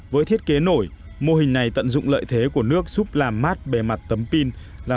với thiết kế nổi mô hình này tận dụng lợi thế của nước giúp làm mát bề mặt tấm pin